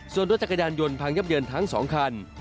ส่วนรถจักรยานยนต์พังยับเยินทั้ง๒คัน